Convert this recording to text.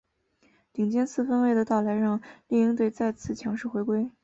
顶尖四分卫的到来让猎鹰队再次强势回归。